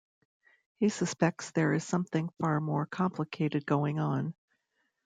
He suspects there is something far more complicated going on.